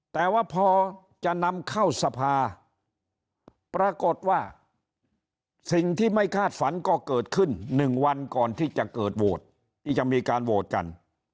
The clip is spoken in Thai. แต่ว่าพอจะนำเข้าสภาปรากฏว่าสิ่งที่ไม่คาดฝันก็เกิดขึ้น๑วันก่อนที่จะเกิดโหวตที่จะมีการโหวตกัน